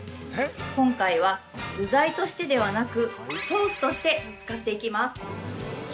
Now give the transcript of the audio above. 今回は具材としてではなくソースとして使っていきます。